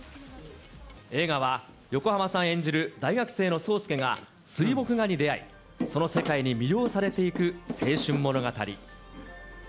映画は、横浜さん演じる大学生の霜介が、水墨画に出会い、その世界に魅了されていく青春物語。